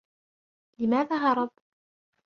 لماذ هرب ؟